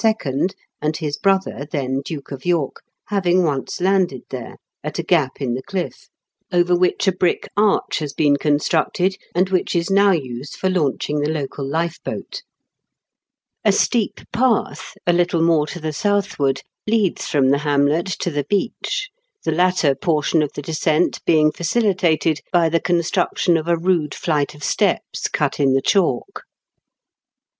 and his brother, then Duke of York, having once landed there, at a gap in the cliff, over which a brick arch has been con structed, and which is now used for launching the local lifeboat A steep path, a little more to the southward, leads from the hamlet to the beach, the latter portion of the descent being facilitated by the construction of a rude flight of steps, cut in the chalk.